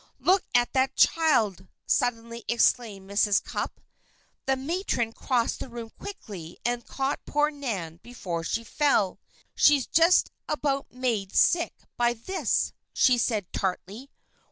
"Look at that child!" suddenly exclaimed Mrs. Cupp. The matron crossed the room quickly and caught poor Nan before she fell. "She's just about made sick by this," she said tartly.